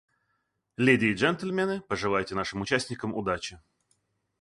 Леди и джентльмены, пожелайте нашим участникам удачи!